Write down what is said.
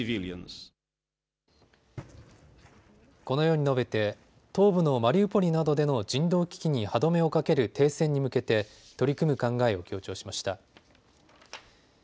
このように述べて東部のマリウポリなどでの人道危機に歯止めをかける停戦に向けて取り組む考えを強調しました。